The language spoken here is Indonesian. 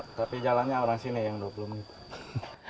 tapi jalannya orang sini yang dua puluh menit